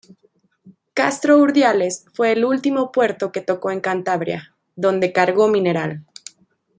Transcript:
Castro Urdiales fue el último puerto que tocó en Cantabria, donde cargó mineral.